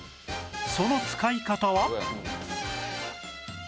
その使い方は